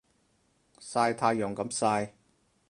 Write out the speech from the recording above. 曬太陽咁曬